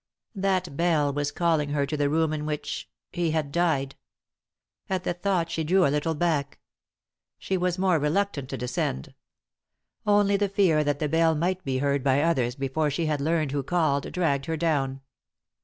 That bell was calling her to the room in which — he had died. At the thought she drew a little back. She was more reluctant to descend. Only the fear that the bell might be heard by others before she had learned who called dragged her down.